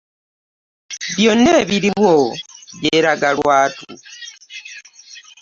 Byonna ebiriwo byeraga lwatu.